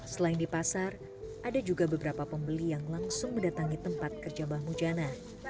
selain di pasar ada juga beberapa pembeli yang langsung mendatangi tempat kerja mbah mujana